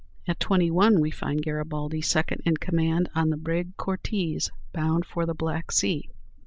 At twenty one, we find Garibaldi second in command on the brig "Cortese," bound for the Black Sea.